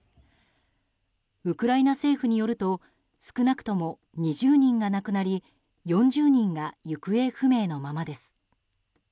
ウクライナ政府によると少なくとも２０人が亡くなり４０人が行方不明のままです。